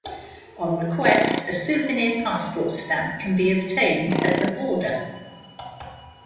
On request, a souvenir passport stamp can be obtained at the border.